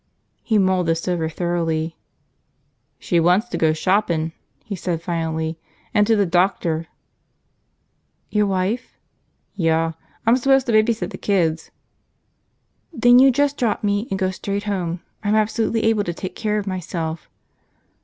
He mulled this over thoroughly. "She wants to go shoppin'," he said finally. "And to the doctor." "Your wife?" "Yuh. I'm s'pose to baby sit the kids." "Then you just drop me and go straight home. I'm absolutely able to take care of myself."